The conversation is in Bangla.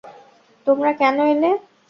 তোমরা কেন এলে?